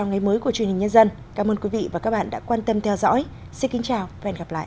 ngày mới của truyền hình nhân dân cảm ơn quý vị và các bạn đã quan tâm theo dõi xin kính chào và hẹn gặp lại